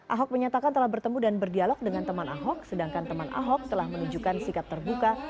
ahok menyatakan telah bertemu dan berdialog dengan teman ahok sedangkan teman ahok telah menunjukkan sikap terbuka